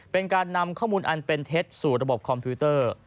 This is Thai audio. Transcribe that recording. เป็นการนำข้อมูลอันเป็นเท็จสู่ระบบคอมพิวเตอร์